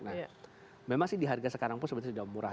nah memang sih dihargai sekarang pun sebetulnya sudah murah